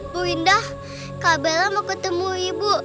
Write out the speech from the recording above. bu indah kak bella mau ketemu ibu